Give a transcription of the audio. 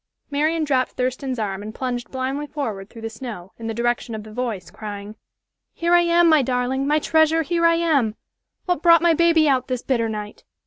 Marian dropped Thurston's arm and plunged blindly forward through the snow, in the direction of the voice, crying, "Here I am, my darling, my treasure here I am. What brought my baby out this bitter night?"